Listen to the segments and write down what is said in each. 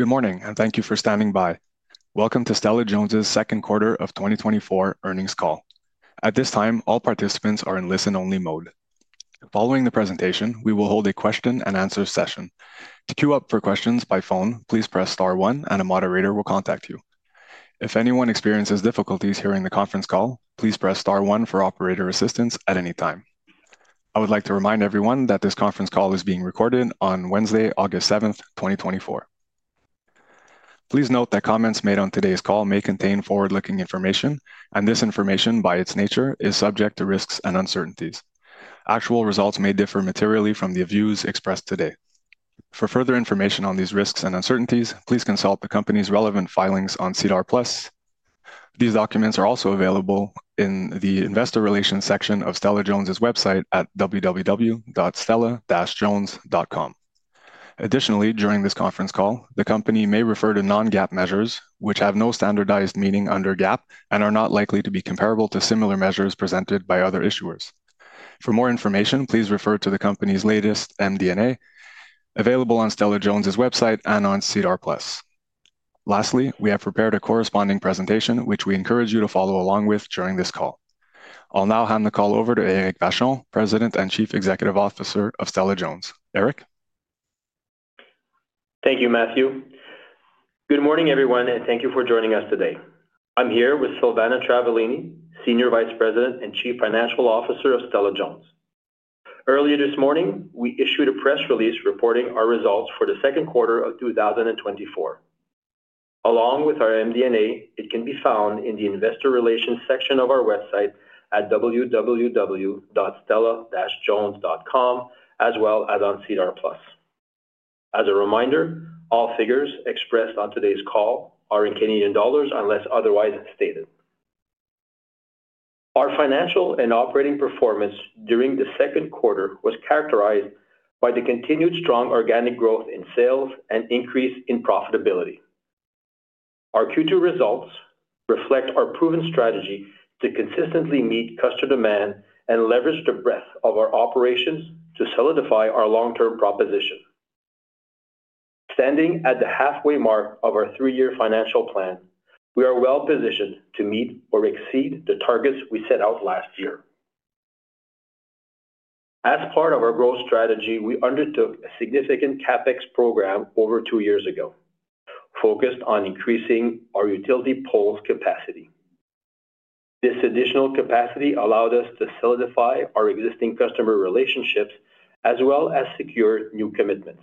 Good morning, and thank you for standing by. Welcome to Stella-Jones's second quarter of 2024 earnings call. At this time, all participants are in listen-only mode. Following the presentation, we will hold a question and answer session. To queue up for questions by phone, please press star one and a moderator will contact you. If anyone experiences difficulties hearing the conference call, please press star one for operator assistance at any time. I would like to remind everyone that this conference call is being recorded on Wednesday, August 7, 2024. Please note that comments made on today's call may contain forward-looking information, and this information, by its nature, is subject to risks and uncertainties. Actual results may differ materially from the views expressed today. For further information on these risks and uncertainties, please consult the company's relevant filings on SEDAR+. These documents are also available in the Investor Relations section of Stella-Jones's website at www.stella-jones.com. Additionally, during this conference call, the company may refer to non-GAAP measures, which have no standardized meaning under GAAP and are not likely to be comparable to similar measures presented by other issuers. For more information, please refer to the company's latest MD&A, available on Stella-Jones's website and on SEDAR+. Lastly, we have prepared a corresponding presentation, which we encourage you to follow along with during this call. I'll now hand the call over to Éric Vachon, President and Chief Executive Officer of Stella-Jones. Éric? Thank you, Matthew. Good morning, everyone, and thank you for joining us today. I'm here with Silvana Travaglini, Senior Vice President and Chief Financial Officer of Stella-Jones. Earlier this morning, we issued a press release reporting our results for the second quarter of 2024. Along with our MD&A, it can be found in the Investor Relations section of our website at www.stella-jones.com, as well as on SEDAR+. As a reminder, all figures expressed on today's call are in Canadian dollars, unless otherwise stated. Our financial and operating performance during the second quarter was characterized by the continued strong organic growth in sales and increase in profitability. Our Q2 results reflect our proven strategy to consistently meet customer demand and leverage the breadth of our operations to solidify our long-term proposition. Standing at the halfway mark of our three-year financial plan, we are well-positioned to meet or exceed the targets we set out last year. As part of our growth strategy, we undertook a significant CapEx program over two years ago, focused on increasing our utility poles capacity. This additional capacity allowed us to solidify our existing customer relationships, as well as secure new commitments.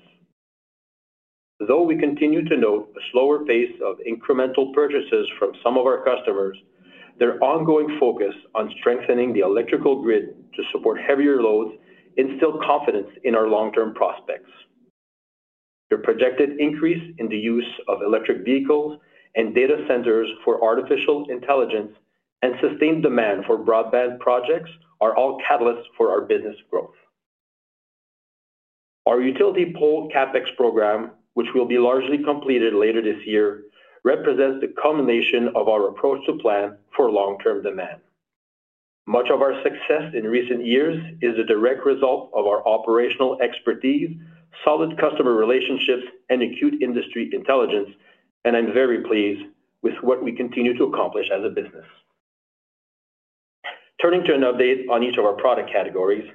Though we continue to note a slower pace of incremental purchases from some of our customers, their ongoing focus on strengthening the electrical grid to support heavier loads instill confidence in our long-term prospects. The projected increase in the use of electric vehicles and data centers for artificial intelligence and sustained demand for broadband projects are all catalysts for our business growth. Our utility pole CapEx program, which will be largely completed later this year, represents the culmination of our approach to plan for long-term demand. Much of our success in recent years is a direct result of our operational expertise, solid customer relationships, and acute industry intelligence, and I'm very pleased with what we continue to accomplish as a business. Turning to an update on each of our product categories,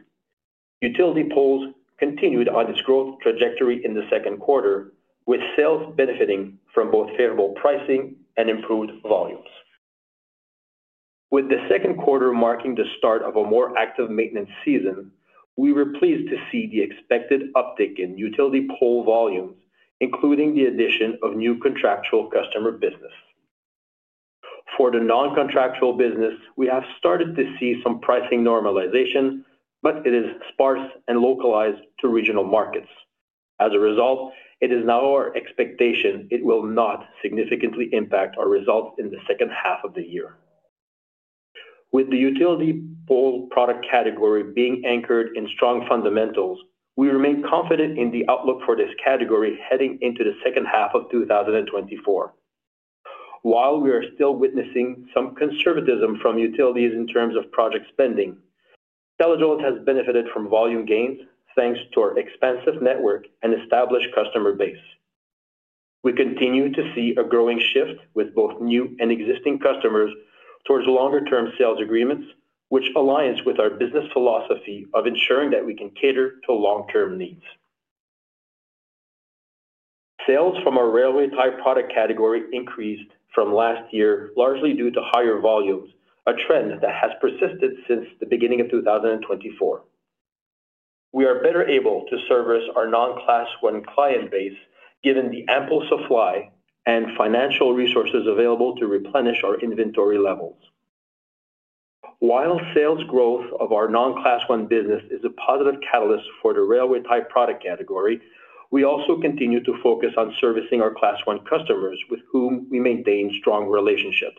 utility poles continued on its growth trajectory in the second quarter, with sales benefiting from both favorable pricing and improved volumes. With the second quarter marking the start of a more active maintenance season, we were pleased to see the expected uptick in utility pole volumes, including the addition of new contractual customer business. For the non-contractual business, we have started to see some pricing normalization, but it is sparse and localized to regional markets. As a result, it is now our expectation it will not significantly impact our results in the second half of the year. With the utility pole product category being anchored in strong fundamentals, we remain confident in the outlook for this category heading into the second half of 2024. While we are still witnessing some conservatism from utilities in terms of project spending, Stella-Jones has benefited from volume gains, thanks to our expansive network and established customer base. We continue to see a growing shift with both new and existing customers towards longer-term sales agreements, which aligns with our business philosophy of ensuring that we can cater to long-term needs. Sales from our railway tie product category increased from last year, largely due to higher volumes, a trend that has persisted since the beginning of 2024. We are better able to service our non-Class I client base, given the ample supply and financial resources available to replenish our inventory levels. While sales growth of our non-Class I business is a positive catalyst for the railway tie product category, we also continue to focus on servicing our Class I customers with whom we maintain strong relationships.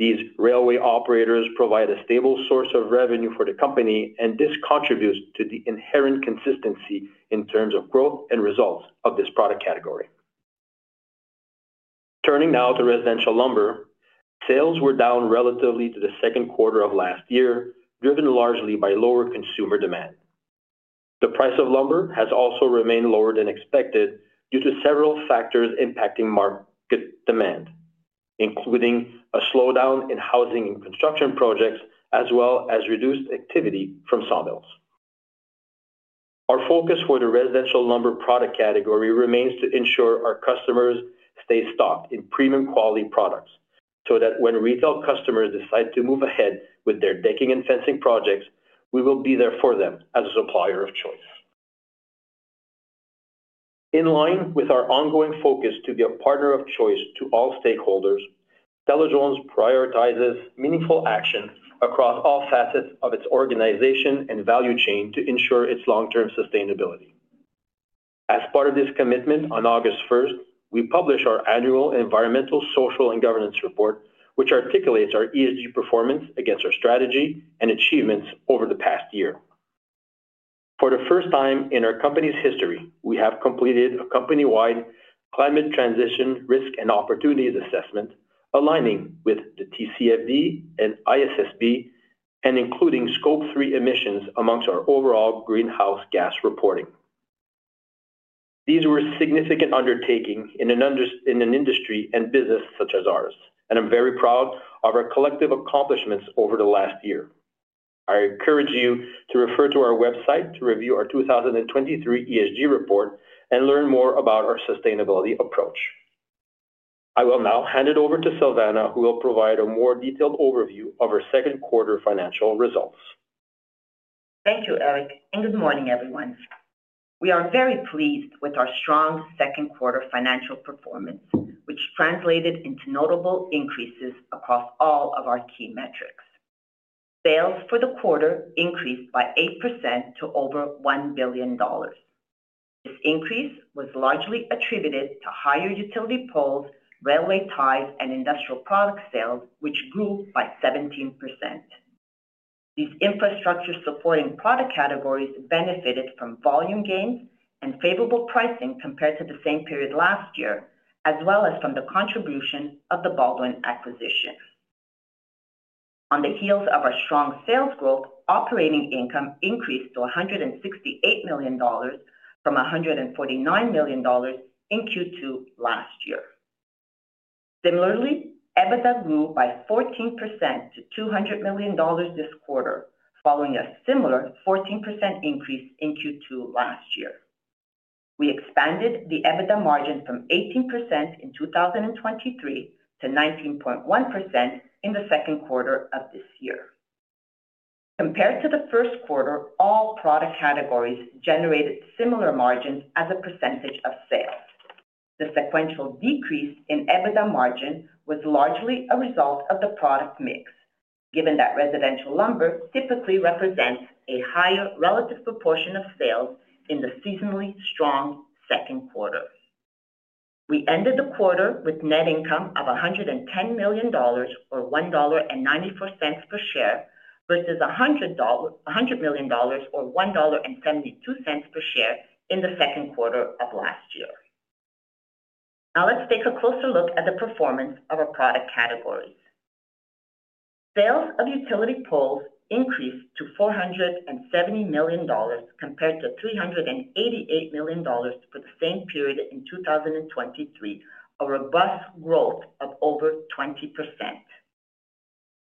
These railway operators provide a stable source of revenue for the company, and this contributes to the inherent consistency in terms of growth and results of this product category.... Turning now to residential lumber. Sales were down relative to the second quarter of last year, driven largely by lower consumer demand. The price of lumber has also remained lower than expected due to several factors impacting market demand, including a slowdown in housing and construction projects, as well as reduced activity from sawmills. Our focus for the residential lumber product category remains to ensure our customers stay stocked in premium quality products, so that when retail customers decide to move ahead with their decking and fencing projects, we will be there for them as a supplier of choice. In line with our ongoing focus to be a partner of choice to all stakeholders, Stella-Jones prioritizes meaningful action across all facets of its organization and value chain to ensure its long-term sustainability. As part of this commitment, on August first, we published our annual Environmental, Social, and Governance Report, which articulates our ESG performance against our strategy and achievements over the past year. For the first time in our company's history, we have completed a company-wide climate transition, risk, and opportunities assessment, aligning with the TCFD and ISSB, and including Scope 3 emissions among our overall greenhouse gas reporting. These were significant undertaking in an industry and business such as ours, and I'm very proud of our collective accomplishments over the last year. I encourage you to refer to our website to review our 2023 ESG report and learn more about our sustainability approach. I will now hand it over to Silvana, who will provide a more detailed overview of our second quarter financial results. Thank you, Éric, and good morning, everyone. We are very pleased with our strong second quarter financial performance, which translated into notable increases across all of our key metrics. Sales for the quarter increased by 8% to over 1 billion dollars. This increase was largely attributed to higher utility poles, railway ties, and industrial product sales, which grew by 17%. These infrastructure-supporting product categories benefited from volume gains and favorable pricing compared to the same period last year, as well as from the contribution of the Baldwin acquisition. On the heels of our strong sales growth, operating income increased to 168 million dollars from 149 million dollars in Q2 last year. Similarly, EBITDA grew by 14% to 200 million dollars this quarter, following a similar 14% increase in Q2 last year. We expanded the EBITDA margin from 18% in 2023 to 19.1% in the second quarter of this year. Compared to the first quarter, all product categories generated similar margins as a percentage of sales. The sequential decrease in EBITDA margin was largely a result of the product mix, given that residential lumber typically represents a higher relative proportion of sales in the seasonally strong second quarter. We ended the quarter with net income of 110 million dollars, or 1.94 dollar per share, versus 100 million dollars, or 1.72 dollar per share in the second quarter of last year. Now, let's take a closer look at the performance of our product categories. Sales of utility poles increased to 470 million dollars, compared to 388 million dollars for the same period in 2023, a robust growth of over 20%.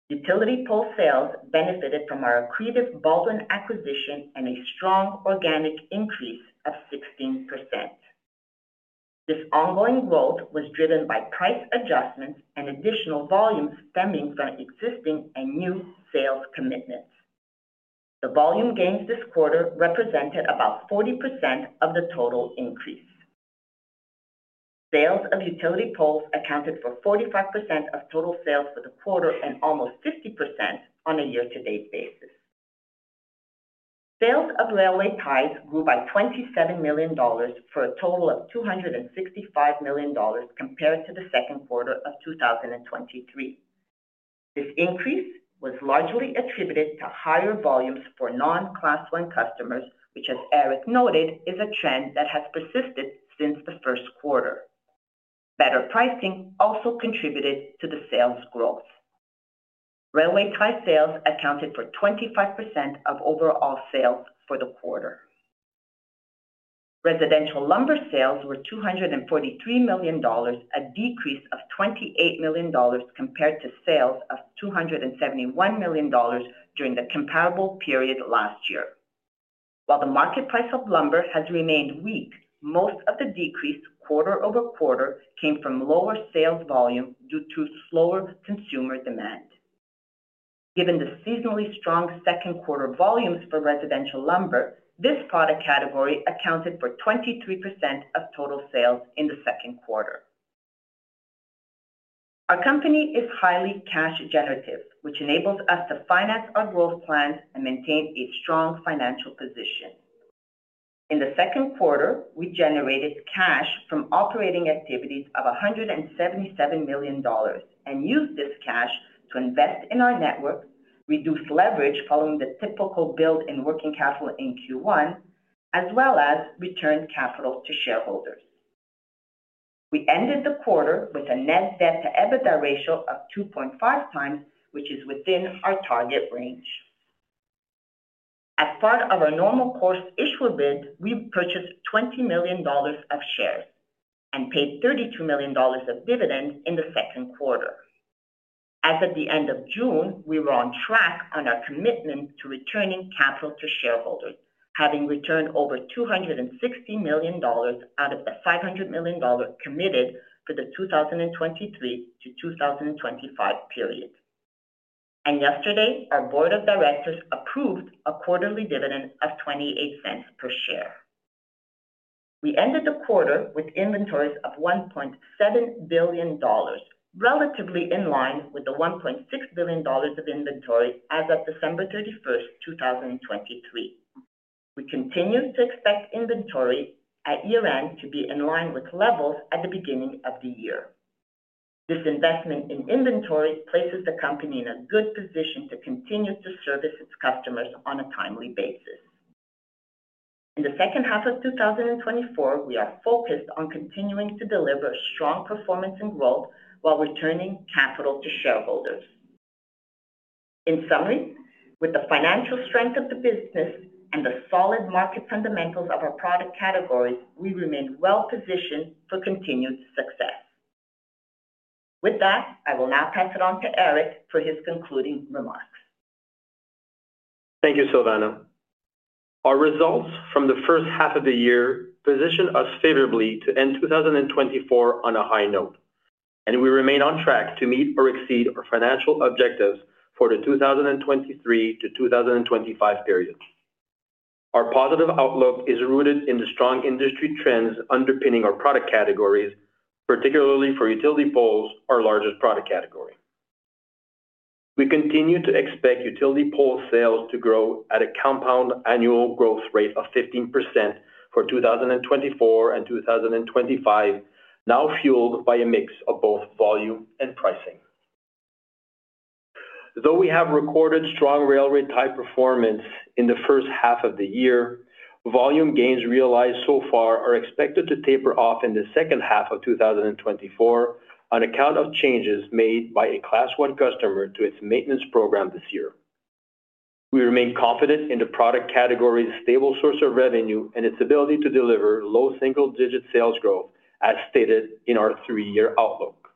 Utility pole sales benefited from our accretive Baldwin acquisition and a strong organic increase of 16%. This ongoing growth was driven by price adjustments and additional volumes stemming from existing and new sales commitments. The volume gains this quarter represented about 40% of the total increase. Sales of utility poles accounted for 45% of total sales for the quarter and almost 50% on a year-to-date basis. Sales of railway ties grew by 27 million dollars, for a total of 265 million dollars compared to the second quarter of 2023. This increase was largely attributed to higher volumes for non-Class I customers, which, as Éric noted, is a trend that has persisted since the first quarter. Better pricing also contributed to the sales growth. Railway tie sales accounted for 25% of overall sales for the quarter. Residential lumber sales were 243 million dollars, a decrease of 28 million dollars compared to sales of 271 million dollars during the comparable period last year. While the market price of lumber has remained weak, most of the decrease quarter-over-quarter came from lower sales volume due to slower consumer demand. Given the seasonally strong second quarter volumes for residential lumber, this product category accounted for 23% of total sales in the second quarter. Our company is highly cash generative, which enables us to finance our growth plans and maintain a strong financial position. In the second quarter, we generated cash from operating activities of 177 million dollars and used this cash to invest in our network, reduce leverage following the typical build in working capital in Q1, as well as return capital to shareholders. We ended the quarter with a net debt to EBITDA ratio of 2.5x, which is within our target range. As part of our normal course issuer bid, we purchased 20 million dollars of shares and paid 32 million dollars of dividends in the second quarter. As of the end of June, we were on track on our commitment to returning capital to shareholders, having returned over 260 million dollars out of the 500 million dollars committed for the 2023 to 2025 period. Yesterday, our board of directors approved a quarterly dividend of 0.28 per share. We ended the quarter with inventories of 1.7 billion dollars, relatively in line with the 1.6 billion dollars of inventory as of December 31, 2023. We continue to expect inventory at year-end to be in line with levels at the beginning of the year. This investment in inventory places the company in a good position to continue to service its customers on a timely basis. In the second half of 2024, we are focused on continuing to deliver strong performance and growth while returning capital to shareholders. In summary, with the financial strength of the business and the solid market fundamentals of our product categories, we remain well-positioned for continued success. With that, I will now pass it on to Éric for his concluding remarks. Thank you, Silvana. Our results from the first half of the year position us favorably to end 2024 on a high note, and we remain on track to meet or exceed our financial objectives for the 2023-2025 period. Our positive outlook is rooted in the strong industry trends underpinning our product categories, particularly for utility poles, our largest product category. We continue to expect utility pole sales to grow at a compound annual growth rate of 15% for 2024 and 2025, now fueled by a mix of both volume and pricing. Though we have recorded strong railway tie performance in the first half of the year, volume gains realized so far are expected to taper off in the second half of 2024 on account of changes made by a Class I customer to its maintenance program this year. We remain confident in the product category's stable source of revenue and its ability to deliver low single-digit sales growth, as stated in our three-year outlook.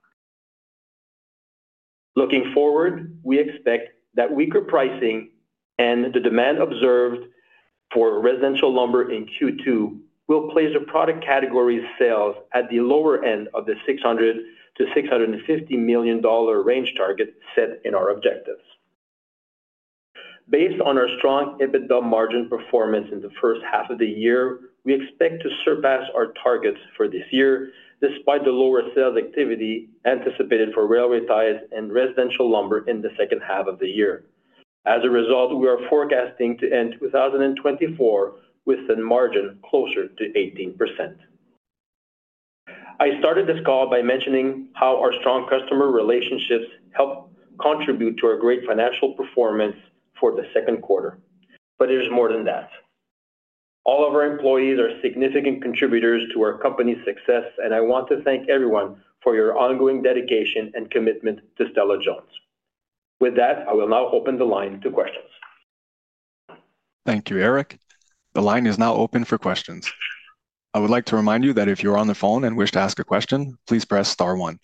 Looking forward, we expect that weaker pricing and the demand observed for residential lumber in Q2 will place the product category sales at the lower end of the 600 million-650 million dollar range target set in our objectives. Based on our strong EBITDA margin performance in the first half of the year, we expect to surpass our targets for this year, despite the lower sales activity anticipated for railway ties and residential lumber in the second half of the year. As a result, we are forecasting to end 2024 with a margin closer to 18%. I started this call by mentioning how our strong customer relationships helped contribute to our great financial performance for the second quarter, but it is more than that. All of our employees are significant contributors to our company's success, and I want to thank everyone for your ongoing dedication and commitment to Stella-Jones. With that, I will now open the line to questions. Thank you, Éric. The line is now open for questions. I would like to remind you that if you're on the phone and wish to ask a question, please press star one.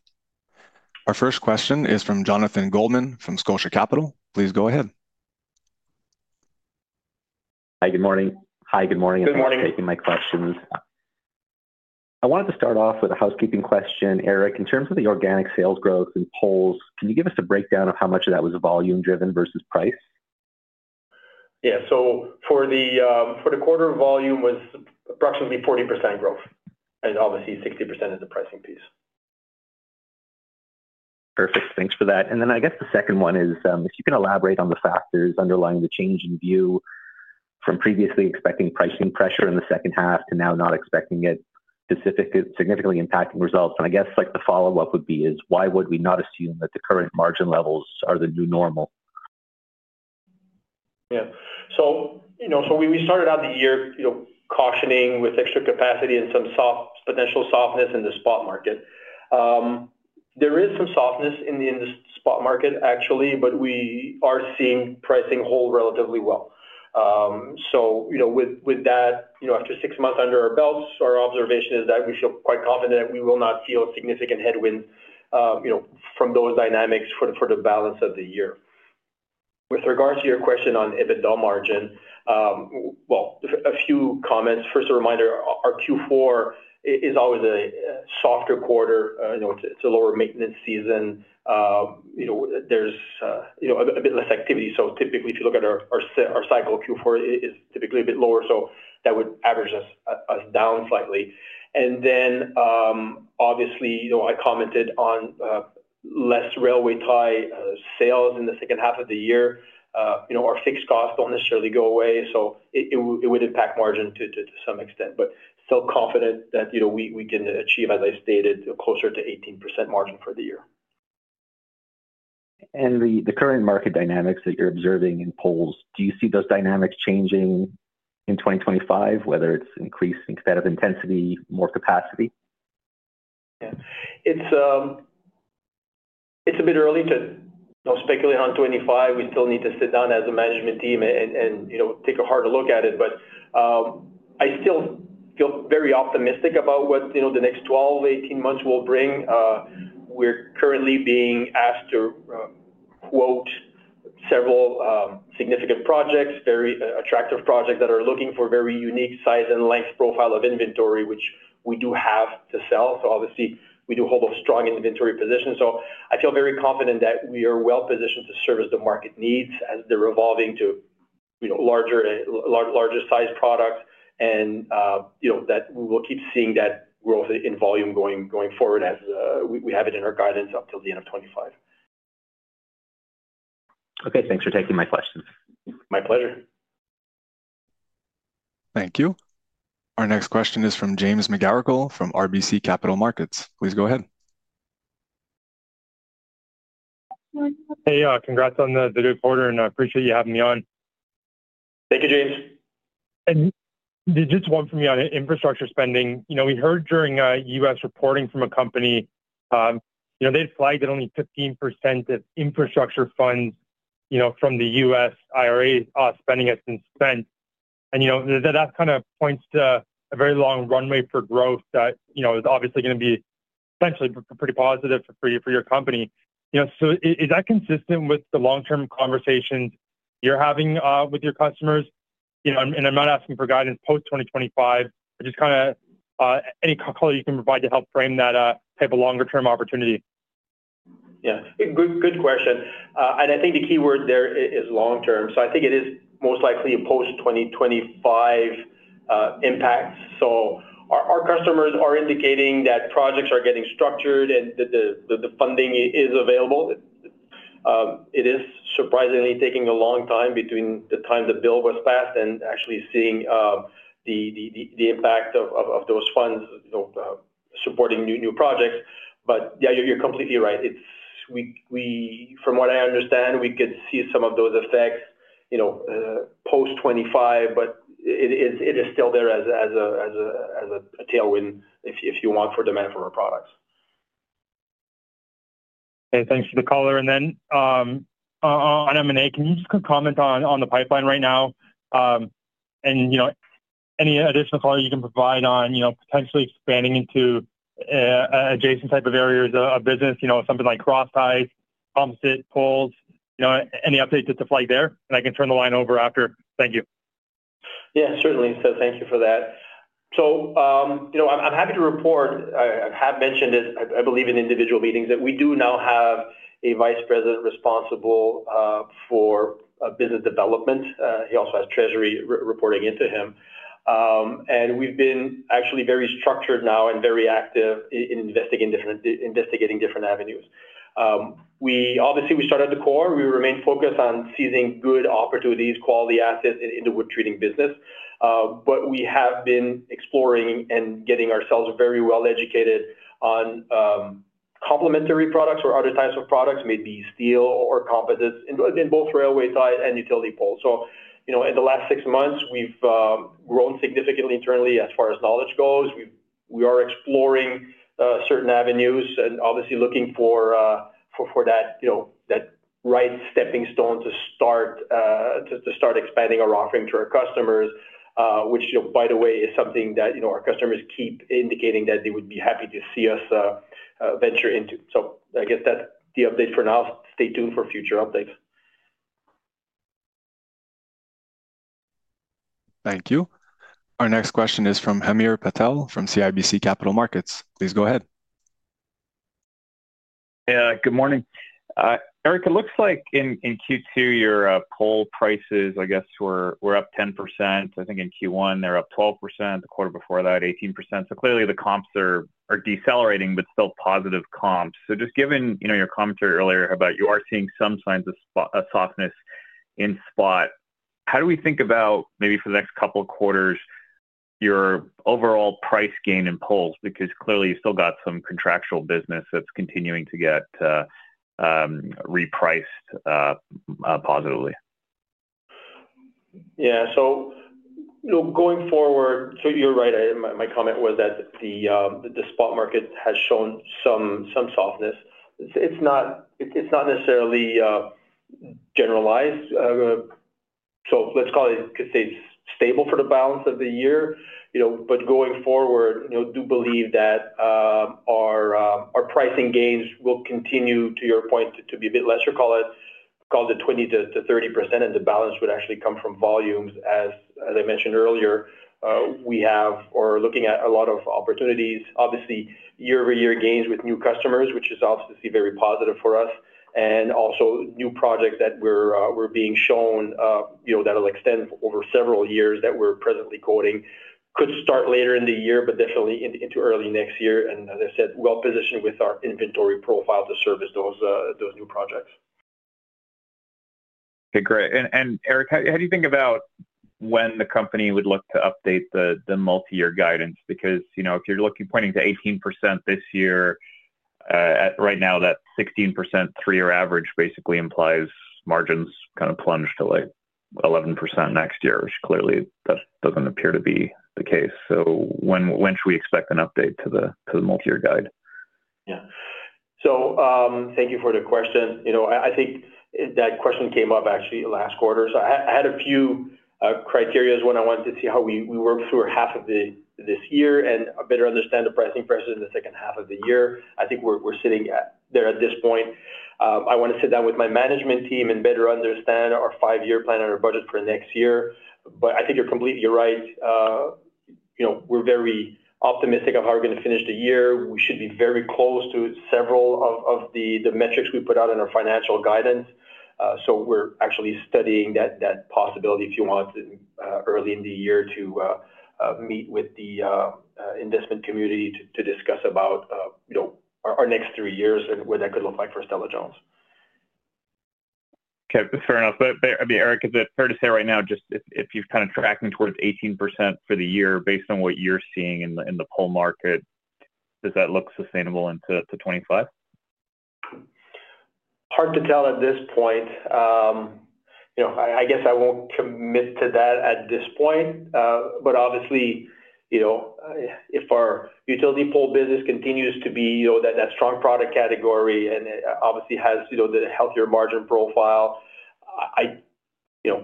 Our first question is from Jonathan Goldman from Scotia Capital. Please go ahead. Hi, good morning. Hi, good morning. Good morning. Thanks for taking my questions. I wanted to start off with a housekeeping question, Éric. In terms of the organic sales growth in poles, can you give us a breakdown of how much of that was volume-driven versus price? Yeah. So for the quarter, volume was approximately 40% growth, and obviously, 60% is the pricing piece. Perfect. Thanks for that. And then I guess the second one is, if you can elaborate on the factors underlying the change in view from previously expecting pricing pressure in the second half to now not expecting it, specifically, significantly impacting results. And I guess, like, the follow-up would be is: Why would we not assume that the current margin levels are the new normal? Yeah. So, you know, so we started out the year, you know, cautioning with extra capacity and some potential softness in the spot market. There is some softness in the spot market, actually, but we are seeing pricing hold relatively well. So, you know, with that, you know, after six months under our belts, our observation is that we feel quite confident we will not feel a significant headwind, you know, from those dynamics for the balance of the year. With regards to your question on EBITDA margin, well, a few comments. First, a reminder, our Q4 is always a softer quarter. You know, it's a lower maintenance season. You know, there's a bit less activity. So typically, if you look at our cycle, Q4 is typically a bit lower, so that would average us down slightly. And then, obviously, you know, I commented on less railway tie sales in the second half of the year. You know, our fixed costs don't necessarily go away, so it would impact margin to some extent, but still confident that, you know, we can achieve, as I stated, closer to 18% margin for the year. ... and the current market dynamics that you're observing in poles, do you see those dynamics changing in 2025, whether it's increased competitive intensity, more capacity? Yeah. It's a bit early to, you know, speculate on 2025. We still need to sit down as a management team and, you know, take a harder look at it. But, I still feel very optimistic about what, you know, the next 12, 18 months will bring. We're currently being asked to quote several significant projects, very attractive projects that are looking for very unique size and length profile of inventory, which we do have to sell. So obviously, we do hold a strong inventory position. So I feel very confident that we are well-positioned to service the market needs as they're evolving to, you know, larger sized products. You know, that we'll keep seeing that growth in volume going forward as we have it in our guidance up till the end of 2025. Okay, thanks for taking my questions. My pleasure. Thank you. Our next question is from James McGarragle from RBC Capital Markets. Please go ahead. Hey, congrats on the good quarter, and I appreciate you having me on. Thank you, James. Just one for me on infrastructure spending. You know, we heard during U.S. reporting from a company, you know, they flagged that only 15% of infrastructure funds, you know, from the U.S. IRA spending has been spent. And, you know, that kind of points to a very long runway for growth that, you know, is obviously gonna be potentially pretty positive for your company. You know, so is that consistent with the long-term conversations you're having with your customers? You know, and I'm not asking for guidance post 2025, but just kinda any color you can provide to help frame that type of longer term opportunity. Yeah, good, good question. And I think the key word there is long term, so I think it is most likely a post-2025 impact. So our customers are indicating that projects are getting structured and that the funding is available. It is surprisingly taking a long time between the time the bill was passed and actually seeing the impact of those funds, you know, supporting new projects. But yeah, you're completely right. It's. We from what I understand, we could see some of those effects, you know, post-2025, but it is still there as a tailwind, if you want, for demand for our products. Okay, thanks for the color. And then on M&A, can you just comment on the pipeline right now? And you know, any additional color you can provide on, you know, potentially expanding into adjacent type of areas of business, you know, something like cross ties, composite poles, you know, any updates to the flag there? And I can turn the line over after. Thank you. Yeah, certainly. So thank you for that. So, you know, I'm happy to report, I have mentioned this, I believe in individual meetings, that we do now have a vice president responsible for business development. He also has treasury reporting into him. And we've been actually very structured now and very active in investigating different avenues. We obviously started the core. We remain focused on seizing good opportunities, quality assets in the wood treating business. But we have been exploring and getting ourselves very well educated on complementary products or other types of products, maybe steel or composites, in both railway tie and utility poles. So, you know, in the last six months, we've grown significantly internally as far as knowledge goes. We are exploring certain avenues and obviously looking for that, you know, that right stepping stone to start expanding our offering to our customers, which, you know, by the way, is something that, you know, our customers keep indicating that they would be happy to see us venture into. So I guess that's the update for now. Stay tuned for future updates. Thank you. Our next question is from Hamir Patel, from CIBC Capital Markets. Please go ahead. Yeah, good morning. Éric, it looks like in Q2, your pole prices, I guess, were up 10%. I think in Q1, they're up 12%, the quarter before that, 18%. So clearly, the comps are decelerating, but still positive comps. So just given, you know, your commentary earlier about you are seeing some signs of softness in spot, how do we think about maybe for the next couple of quarters, your overall price gain in poles? Because clearly, you still got some contractual business that's continuing to get repriced positively. Yeah. So, you know, going forward. So you're right. My comment was that the spot market has shown some softness. It's not necessarily generalized. So let's call it, let's say, stable for the balance of the year. You know, but going forward, you know, I do believe that our pricing gains will continue, to your point, to be a bit lesser, call it 20%-30%, and the balance would actually come from volumes. As I mentioned earlier, we have or are looking at a lot of opportunities, obviously, year-over-year gains with new customers, which is obviously very positive for us, and also new projects that we're being shown, you know, that'll extend over several years that we're presently quoting. Could start later in the year, but definitely into early next year, and as I said, well-positioned with our inventory profile to service those, those new projects. Okay, great. And Éric, how do you think about when the company would look to update the multi-year guidance? Because, you know, if you're looking, pointing to 18% this year, at right now, that 16% three-year average basically implies margins kind of plunge to, like, 11% next year, which clearly that doesn't appear to be the case. So when should we expect an update to the multi-year guide? Yeah. So, thank you for the question. You know, I think that question came up actually last quarter. So I had a few criteria when I wanted to see how we worked through half of the-- this year and better understand the pricing pressure in the second half of the year. I think we're sitting there at this point. I wanna sit down with my management team and better understand our five-year plan and our budget for next year. But I think you're completely right. You know, we're very optimistic of how we're gonna finish the year. We should be very close to several of the metrics we put out in our financial guidance. So we're actually studying that possibility, if you want, early in the year to meet with the investment community to discuss about, you know, our next three years and what that could look like for Stella-Jones. Okay, fair enough. But I mean, Éric, is it fair to say right now, just if you're kind of tracking towards 18% for the year based on what you're seeing in the pole market, does that look sustainable into 2025? Hard to tell at this point. You know, I, I guess I won't commit to that at this point. But obviously, you know, if our utility pole business continues to be, you know, that, that strong product category and obviously has, you know, the healthier margin profile, I, you know,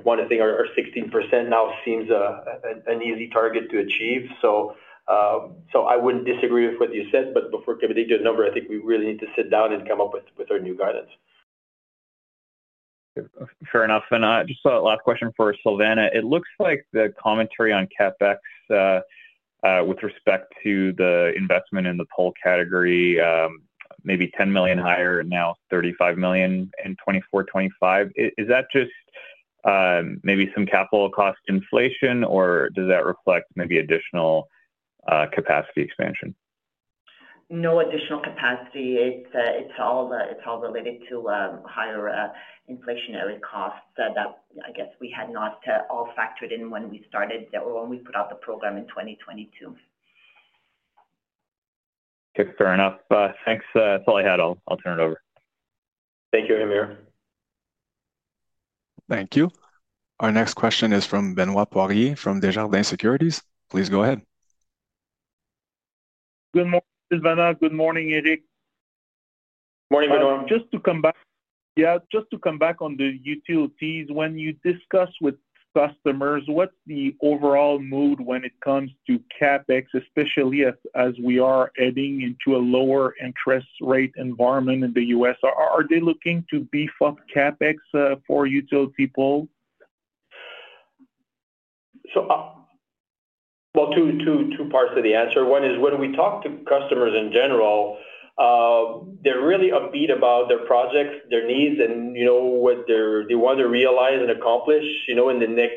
one thing, our, our 16% now seems a, an easy target to achieve. So, so I wouldn't disagree with what you said, but before committing to a number, I think we really need to sit down and come up with, with our new guidance. Fair enough. And, just a last question for Silvana. It looks like the commentary on CapEx with respect to the investment in the pole category, maybe 10 million higher, now 35 million in 2024, 2025. Is, is that just, maybe some capital cost inflation, or does that reflect maybe additional, capacity expansion? No additional capacity. It's all related to higher inflationary costs that I guess we had not all factored in when we started or when we put out the program in 2022. Okay, fair enough. Thanks. That's all I had. I'll turn it over. Thank you, Hamir. Thank you. Our next question is from Benoit Poirier, from Desjardins Securities. Please go ahead. Good morning, Silvana. Good morning, Éric. Morning, Benoit. Yeah, just to come back on the utilities, when you discuss with customers, what's the overall mood when it comes to CapEx, especially as we are heading into a lower interest rate environment in the U.S.? Are they looking to beef up CapEx for utility pole? Well, two parts to the answer. One is, when we talk to customers in general, they're really upbeat about their projects, their needs, and, you know, what they want to realize and accomplish, you know, in the next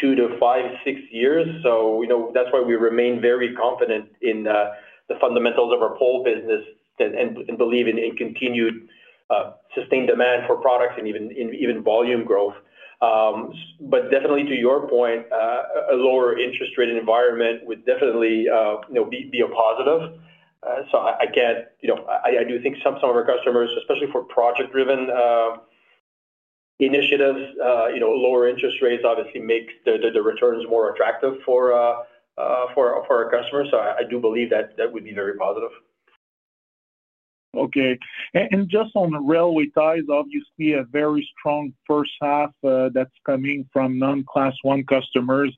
two to five/six years. So, you know, that's why we remain very confident in the fundamentals of our pole business and believe in a continued sustained demand for products and even volume growth. But definitely to your point, a lower interest rate environment would definitely be a positive. So I, again, you know, I do think some of our customers, especially for project-driven initiatives, you know, lower interest rates obviously make the returns more attractive for our customers. I do believe that, that would be very positive. Okay. And just on the railway ties, obviously a very strong first half, that's coming from non-Class I customers.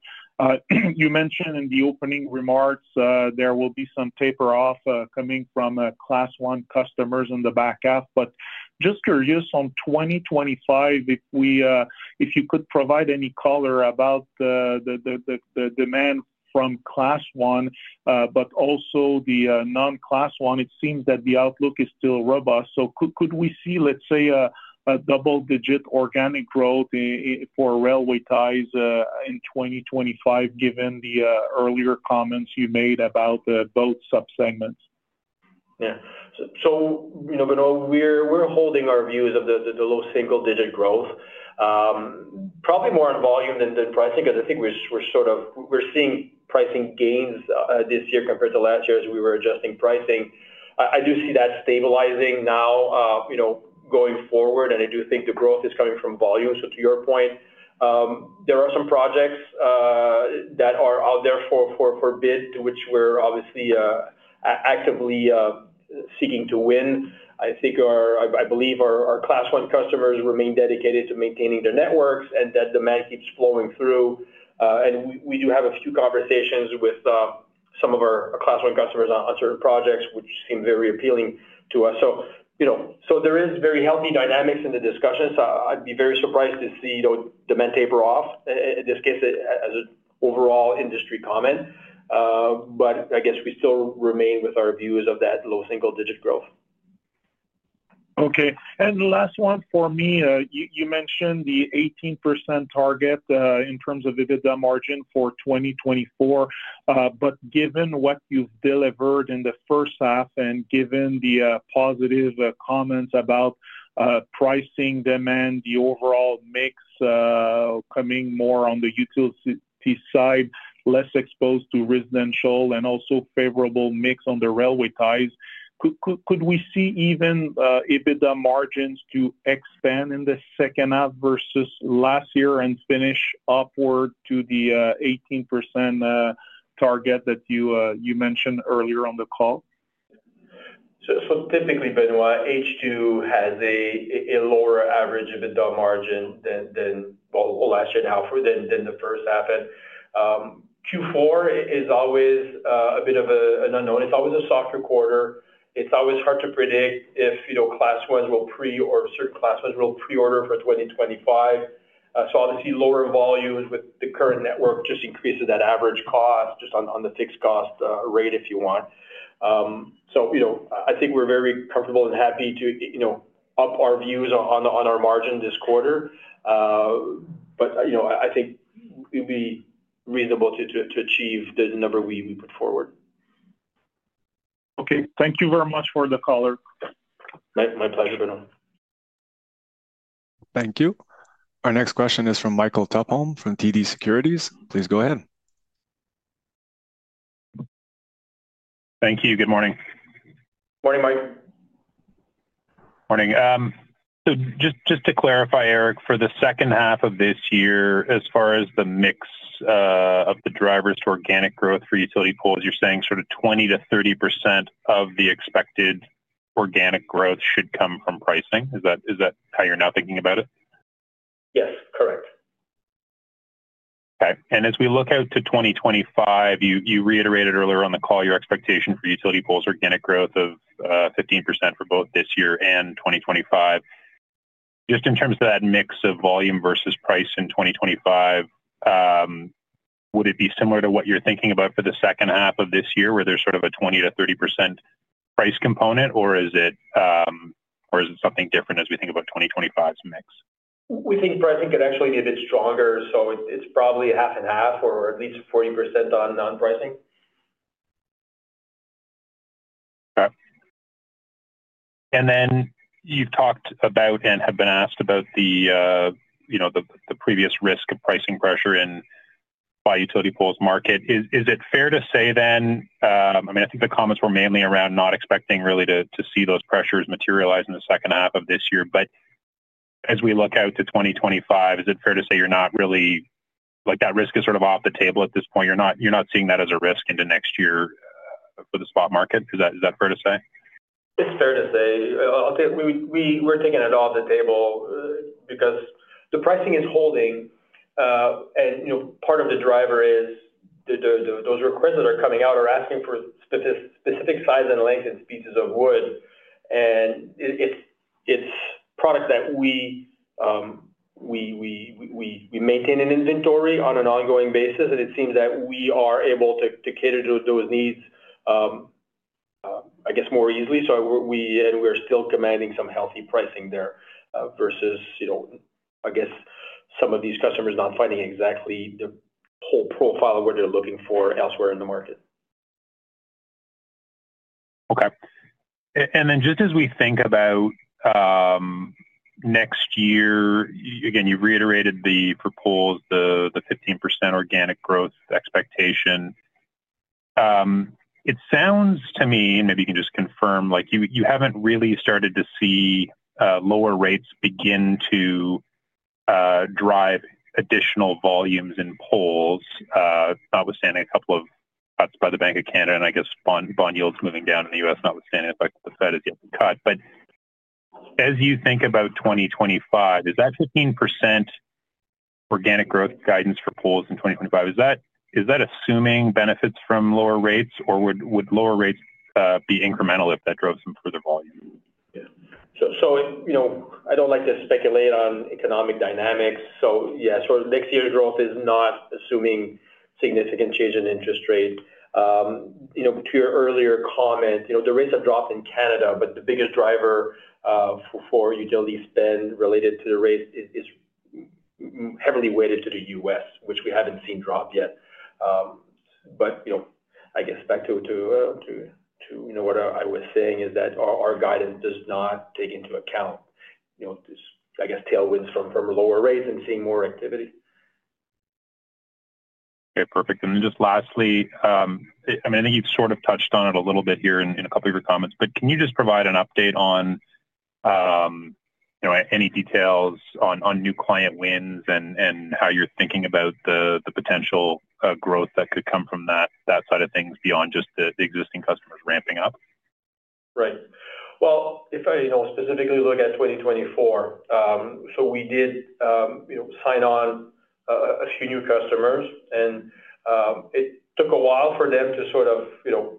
You mentioned in the opening remarks, there will be some taper off, coming from Class I customers on the back half. But just curious on 2025, if you could provide any color about the demand from Class I, but also the non-Class I. It seems that the outlook is still robust. So could we see, let's say, a double-digit organic growth for railway ties in 2025, given the earlier comments you made about both subsegments? Yeah. So, you know, Benoit, we're holding our views of the low single-digit growth, probably more on volume than the pricing, because I think we're sort of seeing pricing gains this year compared to last year as we were adjusting pricing. I do see that stabilizing now, you know, going forward, and I do think the growth is coming from volume. So to your point, there are some projects that are out there for bid, to which we're obviously actively seeking to win. I think I believe our Class I customers remain dedicated to maintaining their networks and that demand keeps flowing through. And we do have a few conversations with some of our Class I customers on certain projects, which seem very appealing to us. So, you know, so there is very healthy dynamics in the discussions. I'd be very surprised to see, you know, demand taper off in this case, as an overall industry comment. But I guess we still remain with our views of that low single-digit growth. Okay, and the last one for me, you mentioned the 18% target in terms of EBITDA margin for 2024. But given what you've delivered in the first half and given the positive comments about pricing demand, the overall mix coming more on the utility side, less exposed to residential and also favorable mix on the railway ties, could we see even EBITDA margins to expand in the second half versus last year and finish upward to the 18% target that you mentioned earlier on the call? So typically, Benoit, H2 has a lower average of EBITDA margin than the first half. Q4 is always a bit of an unknown. It's always a softer quarter. It's always hard to predict if, you know, Class I's will pre-order or certain classes will pre-order for 2025. So obviously, lower volumes with the current network just increases that average cost just on the fixed cost rate, if you want. So, you know, I think we're very comfortable and happy to, you know, up our views on our margin this quarter. But, you know, I think it'd be reasonable to achieve the number we put forward. Okay. Thank you very much for the call. My pleasure, Benoit. Thank you. Our next question is from Michael Tupholme, from TD Securities. Please go ahead. Thank you. Good morning. Morning, Mike. Morning. So just to clarify, Éric, for the second half of this year, as far as the mix of the drivers to organic growth for utility poles, you're saying sort of 20%-30% of the expected organic growth should come from pricing? Is that how you're now thinking about it? Yes, correct. Okay. As we look out to 2025, you, you reiterated earlier on the call your expectation for utility poles organic growth of 15% for both this year and 2025. Just in terms of that mix of volume versus price in 2025, would it be similar to what you're thinking about for the second half of this year, where there's sort of a 20%-30% price component? Or is it something different as we think about 2025's mix? We think pricing could actually be a bit stronger, so it's probably 50/50 or at least 40% on pricing. Okay. And then you've talked about and have been asked about the, you know, the, the previous risk of pricing pressure in the utility poles market. Is it fair to say then? I mean, I think the comments were mainly around not expecting really to see those pressures materialize in the second half of this year. But as we look out to 2025, is it fair to say you're not really, like, that risk is sort of off the table at this point? You're not seeing that as a risk into next year for the spot market. Is that fair to say? It's fair to say. I'll say we're taking it off the table, because the pricing is holding. And, you know, part of the driver is those requests that are coming out are asking for specific size and length and pieces of wood. And it's product that we maintain an inventory on an ongoing basis, and it seems that we are able to cater to those needs, I guess, more easily. So, and we're still commanding some healthy pricing there, versus, you know, I guess some of these customers not finding exactly the whole profile of what they're looking for elsewhere in the market. Okay. And then just as we think about next year, again, you reiterated the proposed 15% organic growth expectation. It sounds to me, and maybe you can just confirm, like, you haven't really started to see lower rates begin to drive additional volumes in poles, notwithstanding a couple of cuts by the Bank of Canada, and I guess bond yields moving down in the U.S., notwithstanding if the Fed is yet to cut. But as you think about 2025, is that 15% organic growth guidance for poles in 2025? Is that assuming benefits from lower rates, or would lower rates be incremental if that drove some further volume? Yeah. So, you know, I don't like to speculate on economic dynamics. So yeah, next year's growth is not assuming significant change in interest rate. You know, to your earlier comment, you know, the rates have dropped in Canada, but the biggest driver for utility spend related to the rate is heavily weighted to the U.S., which we haven't seen drop yet. But, you know, I guess back to what I was saying is that our guidance does not take into account, you know, this, I guess, tailwinds from lower rates and seeing more activity. Okay, perfect. And then just lastly, I mean, I think you've sort of touched on it a little bit here in a couple of your comments, but can you just provide an update on, you know, any details on new client wins and how you're thinking about the potential growth that could come from that side of things beyond just the existing customers ramping up? Right. Well, if I, you know, specifically look at 2024, so we did, you know, sign on a few new customers, and it took a while for them to sort of, you know,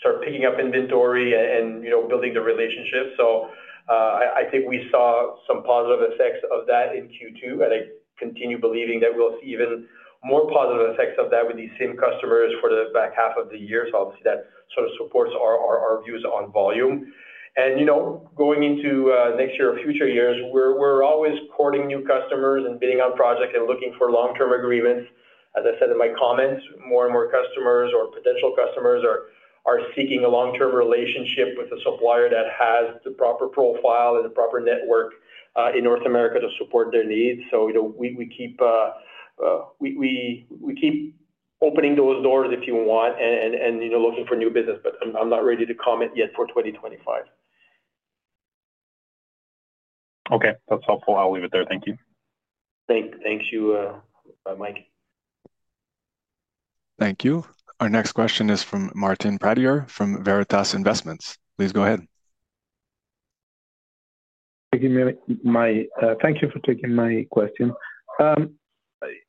start picking up inventory and, you know, building the relationship. So, I think we saw some positive effects of that in Q2, and I continue believing that we'll see even more positive effects of that with these same customers for the back half of the year. So obviously, that sort of supports our views on volume. And, you know, going into next year or future years, we're always courting new customers and bidding on projects and looking for long-term agreements. As I said in my comments, more and more customers or potential customers are seeking a long-term relationship with a supplier that has the proper profile and the proper network in North America to support their needs. So, you know, we keep opening those doors, if you want, and you know, looking for new business, but I'm not ready to comment yet for 2025. Okay, that's helpful. I'll leave it there. Thank you. Thank you, bye, Mike. Thank you. Our next question is from Martin Pradier from Veritas Investment Research. Please go ahead. Thank you for taking my question.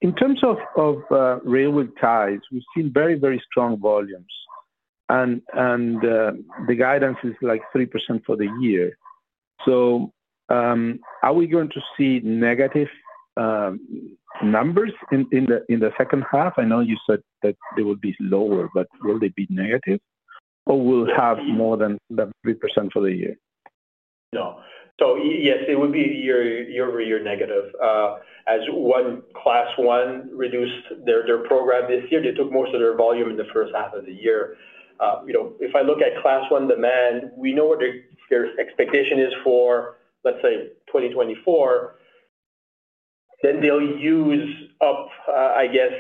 In terms of railway ties, we've seen very, very strong volumes, and the guidance is, like, 3% for the year. So, are we going to see negative numbers in the second half? I know you said that they would be lower, but will they be negative, or we'll have more than the 3% for the year? No. So yes, it would be year-over-year negative. As one Class I reduced their program this year, they took most of their volume in the first half of the year. You know, if I look at Class I demand, we know what their expectation is for, let's say, 2024. Then they'll use up, I guess,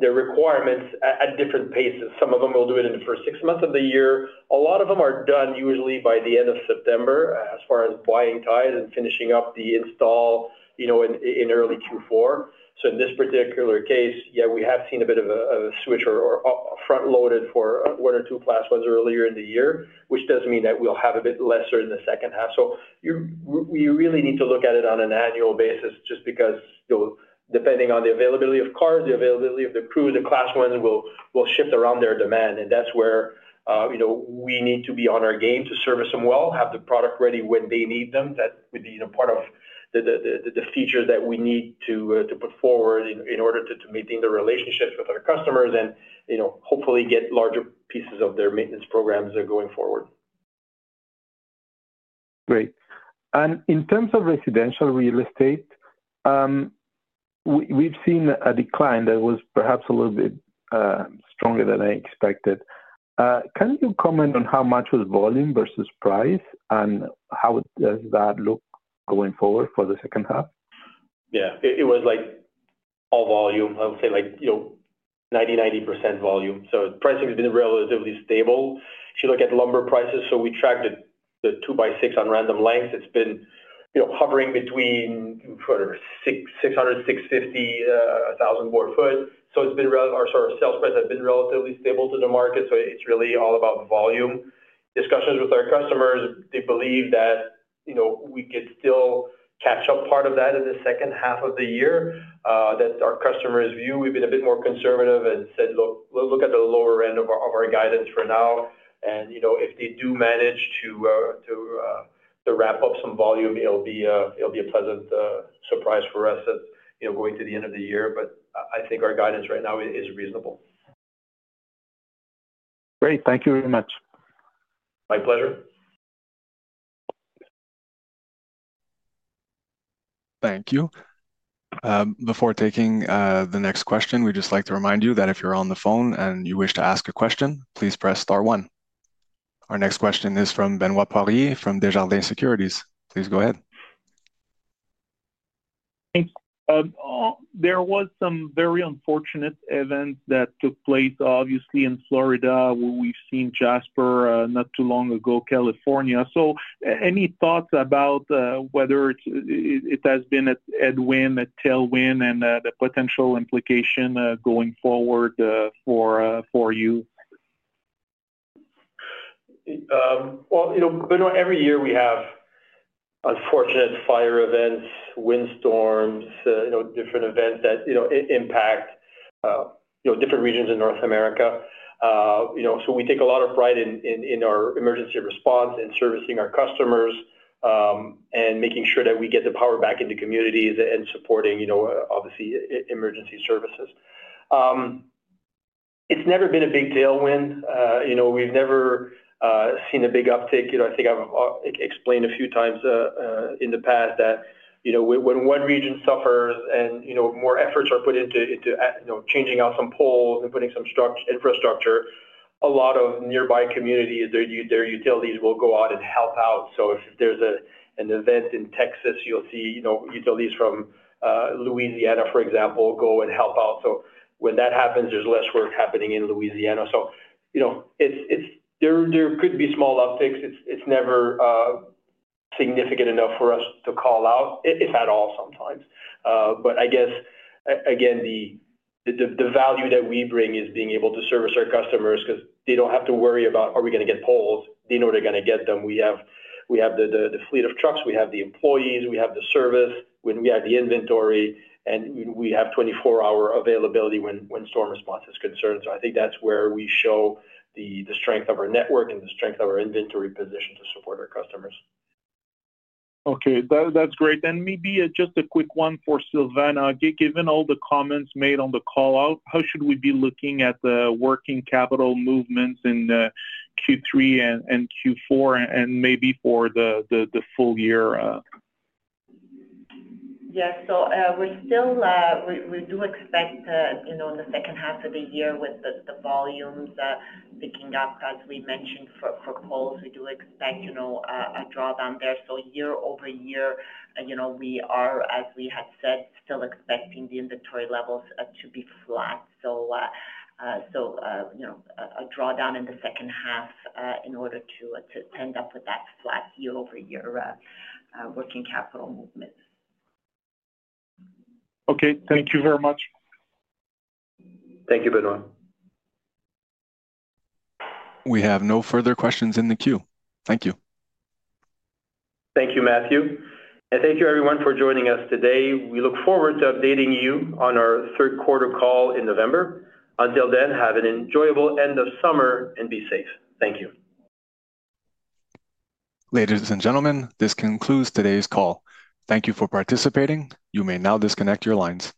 their requirements at different paces. Some of them will do it in the first six months of the year. A lot of them are done usually by the end of September, as far as buying ties and finishing up the install, you know, in early 2024. So in this particular case, yeah, we have seen a bit of a switch or up front-loaded for one or two Class Is earlier in the year, which does mean that we'll have a bit lesser in the second half. So we really need to look at it on an annual basis, just because, you know, we need to be on our game to service them well, have the product ready when they need them. That would be, you know, part of the feature that we need to put forward in order to maintain the relationships with our customers and, you know, hopefully get larger pieces of their maintenance programs there going forward. Great. And in terms of residential real estate, we've seen a decline that was perhaps a little bit stronger than I expected. Can you comment on how much was volume versus price, and how does that look going forward for the second half? Yeah. It was, like, all volume. I would say, like, you know, 90% volume, so pricing has been relatively stable. If you look at lumber prices, so we tracked the two by six on random lengths. It's been, you know, hovering between 600-650 a thousand board foot. So it's been. Our sort of sales price have been relatively stable to the market, so it's really all about volume. Discussions with our customers, they believe that, you know, we could still catch up part of that in the second half of the year. That's our customer's view. We've been a bit more conservative and said, "Look, we'll look at the lower end of our guidance for now." And, you know, if they do manage to wrap up some volume, it'll be a pleasant surprise for us, you know, going to the end of the year. But I think our guidance right now is reasonable. Great. Thank you very much. My pleasure. Thank you. Before taking the next question, we'd just like to remind you that if you're on the phone and you wish to ask a question, please press star one. Our next question is from Benoit Poirier, from Desjardins Securities. Please go ahead. Thanks. There was some very unfortunate events that took place, obviously, in Florida, where we've seen Jasper, not too long ago, California. So any thoughts about whether it has been a headwind, a tailwind, and the potential implication going forward for you? Well, you know, Benoit, every year we have unfortunate fire events, windstorms, you know, different events that, you know, impact, you know, different regions in North America. You know, so we take a lot of pride in our emergency response, in servicing our customers, and making sure that we get the power back into communities and supporting, you know, obviously, emergency services. It's never been a big tailwind. You know, we've never seen a big uptick. You know, I think I've explained a few times in the past that, you know, when one region suffers and, you know, more efforts are put into, you know, changing out some poles and putting some infrastructure, a lot of nearby communities, their utilities will go out and help out. So if there's an event in Texas, you'll see, you know, utilities from Louisiana, for example, go and help out. So when that happens, there's less work happening in Louisiana. So, you know, it's. There could be small upticks. It's never significant enough for us to call out, if at all sometimes. But I guess, again, the value that we bring is being able to service our customers 'cause they don't have to worry about: Are we gonna get poles? They know they're gonna get them. We have the fleet of trucks, we have the employees, we have the service, we have the inventory, and we have 24-hour availability when storm response is concerned. So I think that's where we show the strength of our network and the strength of our inventory position to support our customers. Okay, that, that's great. Then maybe, just a quick one for Silvana. Given all the comments made on the call out, how should we be looking at the working capital movements in Q3 and Q4, and maybe for the full year? Yes. So, we still, we do expect, you know, in the second half of the year with the volumes picking up, as we mentioned, for poles, we do expect, you know, a drawdown there. So year-over-year, you know, we are, as we had said, still expecting the inventory levels to be flat. So, you know, a drawdown in the second half, in order to end up with that flat year-over-year working capital movement. Okay. Thank you very much. Thank you, Benoit. We have no further questions in the queue. Thank you. Thank you, Matthew, and thank you, everyone, for joining us today. We look forward to updating you on our third quarter call in November. Until then, have an enjoyable end of summer, and be safe. Thank you. Ladies and gentlemen, this concludes today's call. Thank you for participating. You may now disconnect your lines.